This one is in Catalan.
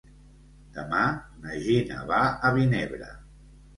Demà na Gina va a Vinebre.